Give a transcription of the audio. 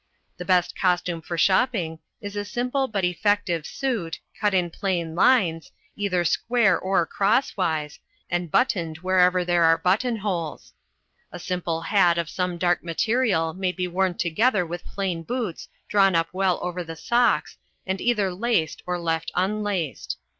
The best costume for shopping is a simple but effective suit, cut in plain lines, either square or crosswise, and buttoned wherever there are button holes. A simple hat of some dark material may be worn together with plain boots drawn up well over the socks and either laced or left unlaced.